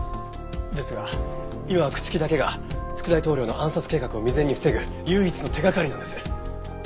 ですが今は朽木だけが副大統領の暗殺計画を未然に防ぐ唯一の手掛かりなんです。